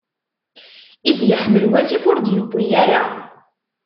I d-iḥmel wasif, ur d-yewwi ara.